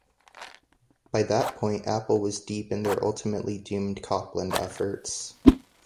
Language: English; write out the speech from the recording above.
By that point, Apple was deep in their ultimately doomed Copland efforts.